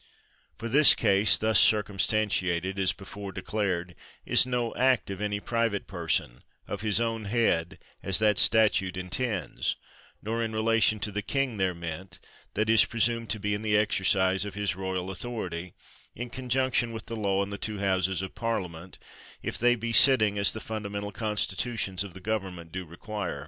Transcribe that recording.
For this case, thus circumstantiated, as before declared, is no act of any private person, of his own head, as that statute intends ; nor in relation to the king there meant, that is presumed to be in the exercise of his royal authority, in conjunc tion with the law and the two houses of Parlia ment, if they be sitting, as the fundamental con stitutions of the government do require.